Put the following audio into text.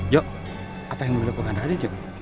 jok apa yang mau dilakukan raden jok